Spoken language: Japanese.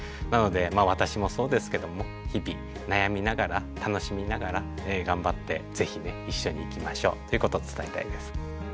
なのでまあ私もそうですけども日々悩みながら楽しみながら頑張って是非ね一緒にいきましょうということを伝えたいです。